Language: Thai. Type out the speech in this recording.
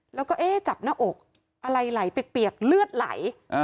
แล้วก็เอ๊ะจับหน้าอกอะไรไหลเปียกเลือดไหล